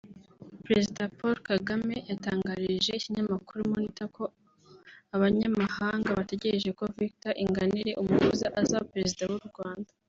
Prezida Paul Kagame yatangalije ikinyamakuru Monitor ko abanyamahanga bategereje ko Victoire Inganire Umuhoza azaba Prezida w’Urwanda